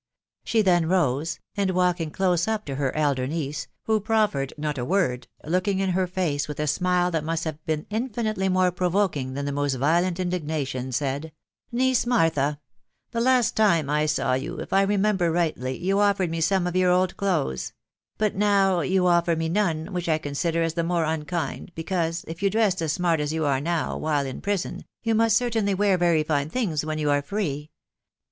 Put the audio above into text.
She then rose, and walking close up to her elder niece, who proffered not a word, looking in her face with a smile that must have been infinitely more provoking than the most violent indignation, said, " Niece Martha !•.•. the last time I saw you, if I remember rightly, you offered me some of your old clothes ; but now yon offer me none, which I con sider as the more unkind, because, if you dressed as smart as you are now while in prison, you must most certainly wear very fine things when you are free.